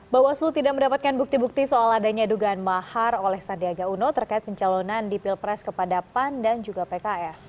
bawaslu tidak mendapatkan bukti bukti soal adanya dugaan mahar oleh sandiaga uno terkait pencalonan di pilpres kepada pan dan juga pks